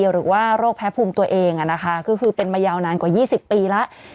หรือว่าโรคแพ้ภูมิตัวเองก็คือเป็นมายาวนานกว่า๒๐ปีแล้ว